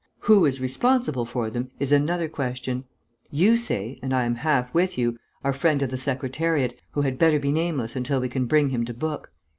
Who is responsible for them is another question. You say (and I am half with you) our friend of the Secretariat, who had better be nameless until we can bring him to book.